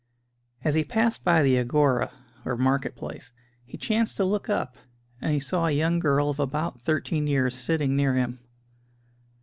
As he passed by the Agora (or market place), he chanced to look up, and he saw a young girl of about thirteen years sitting near him.